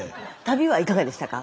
旅はいかがでしたか？